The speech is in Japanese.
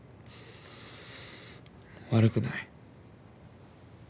悪くない。